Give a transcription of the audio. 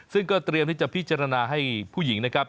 ซึ่งก็เตรียมที่จะพิจารณาให้ผู้หญิงนะครับ